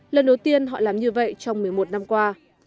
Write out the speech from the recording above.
lần đầu tiên họ làm như vậy trong một mươi một năm qua